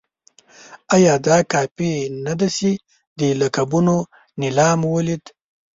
ایا دا کافي نه ده چې د لقبونو نېلام ولید.